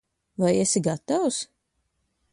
Vai esi gatavs?